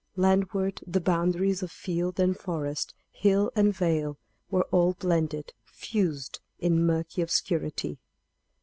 Landward, the boundaries of field and forest, hill and vale, were all blended, fused, in murky obscurity.